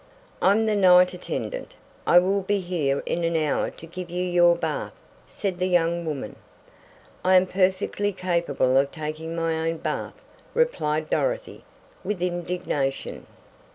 "I'm the night attendant. I will be here in an hour to give you your bath," said the young woman. "I am perfectly capable of taking my own bath," replied Dorothy, with indignation.